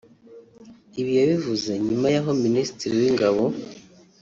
Ibi yabivuze nyuma y’aho Minisitiri w’Ingabo